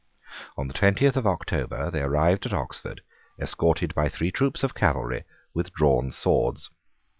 On the twentieth of October they arrived at Oxford, escorted by three troops of cavalry with drawn swords.